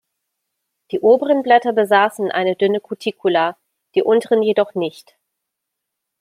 Die oberen Blätter besaßen eine dünne Cuticula, die unteren jedoch nicht.